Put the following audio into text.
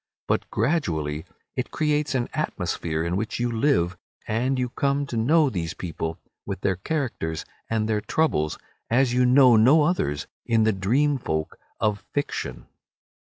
But gradually it creates an atmosphere in which you live, and you come to know these people, with their characters and their troubles, as you know no others of the dream folk of fiction.